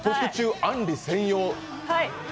あんり専用。